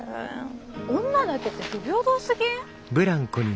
女だけって不平等すぎん？